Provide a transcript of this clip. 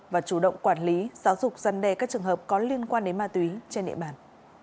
và chủ động quản lý giáo dục dân đề các trường hợp có liên quan đến ma túy trên địa bàn